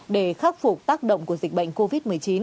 để khắc phục tác động của dịch bệnh covid một mươi chín